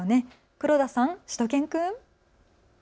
黒田さん、しゅと犬くん。